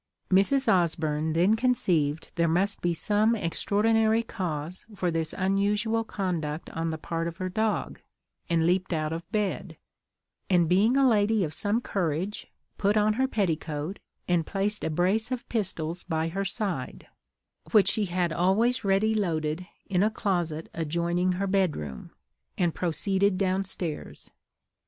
Mrs. Osburn then conceived there must be some extraordinary cause for this unusual conduct on the part of her dog, and leaped out of bed; and being a lady of some courage, put on her petticoat, and placed a brace of pistols by her side, which she had always ready loaded in a closet adjoining her bed room, and proceeded down stairs.